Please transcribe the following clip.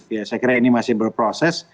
ya saya kira ini masih berproses